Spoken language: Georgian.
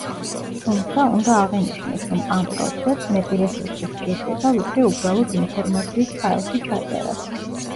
თუმცა, უნდა აღინიშნოს, რომ ამ პროცესს მეტი რესურსი სჭირდება, ვიდრე უბრალოდ ინფორმაციის ფაილში ჩაწერას.